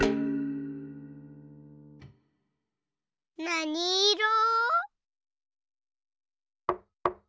なにいろ？